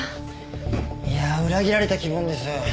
いやあ裏切られた気分です。